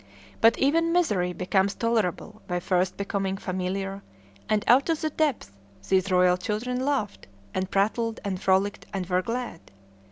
But even misery becomes tolerable by first becoming familiar, and out of the depths these royal children laughed and prattled and frolicked and were glad.